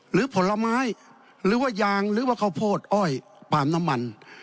ผลไม้หรือว่ายางหรือว่าข้าวโพดอ้อยปาล์มน้ำมัน